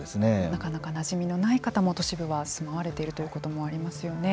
なかなかなじみのない方も都市部は住まわれているということもありますよね。